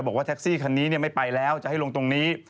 ลืมไปไปแล้วจะให้ลงตรงนี้